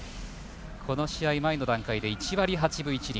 この試合前の段階で１割８分１厘。